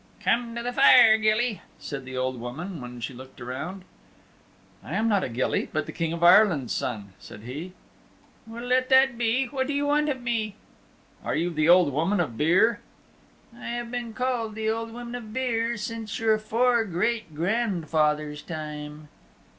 "Come to the fire, gilly," said the old woman when she looked round. "I am not a gilly, but the King of Ireland's Son," said he. "Well, let that be. What do you want of me?" "Are you the Old Woman of Beare?" "I have been called the Old Woman of Beare since your fore great grandfather's time."